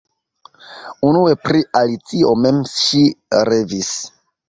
Unue pri Alicio mem ŝi revis.